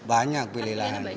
banyak pilihan lain